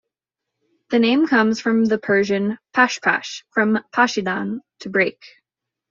The name comes from the Persian "pash-pash", from "pashidan", to break.